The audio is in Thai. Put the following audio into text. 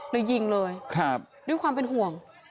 เลยยิงเลยด้วยความเป็นห่วง